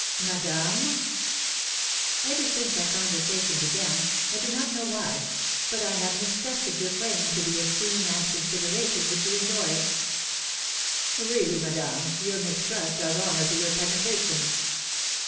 "Madame?" "Ever since our conversation began, I do not know why, but I have mistrusted your claim to the esteem and consideration which you enjoy." "Really, madame, your mistrust does honour to your penetration!"